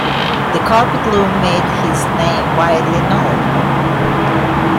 The carpet loom made his name widely known.